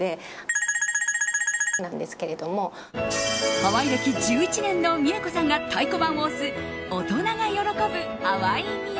ハワイ歴１１年のＭｉｅｋｏさんが太鼓判を押す大人が喜ぶハワイ土産。